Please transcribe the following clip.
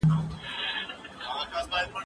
زه اوږده وخت واښه راوړم وم؟